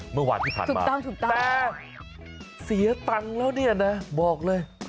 เมื่อวานที่ผ่านมาแต่เสียตังค์แล้วเนี่ยนะบอกเลย